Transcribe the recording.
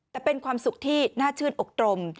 แต่เป็นความสุขที่น่าชื่นอกตรม